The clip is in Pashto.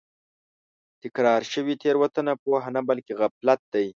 تکرار شوې تېروتنه پوهه نه بلکې غفلت دی.